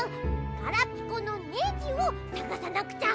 ガラピコのネジをさがさなくちゃ。